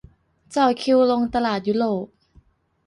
จ่อคิวลงตลาดยุโรป